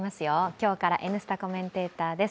今日から「Ｎスタ」コメンテーターです。